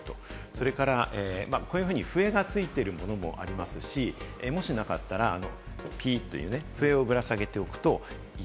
それから笛がついてるものもありますし、もしなかったら、ピーっという笛をぶら下げておくといい。